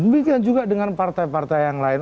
demikian juga dengan partai partai yang lain